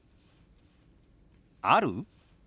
「ある？」。